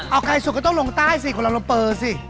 เอาไกลสุดก็ต้องลงใต้สิคนเราโลเปอร์สิ